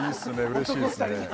うれしいですね